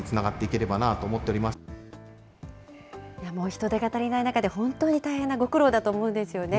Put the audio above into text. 人手が足りない中で、本当に大変なご苦労だと思うんですよね。